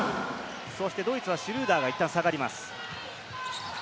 ドイツはシュルーダーがいったん下がります。